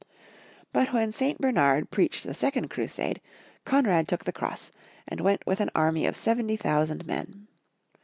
But when St. Bernard preached the second crusade, Konrad took the cross, and went with an army of 70,000 men.